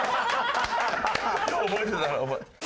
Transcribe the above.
よう覚えてたなお前。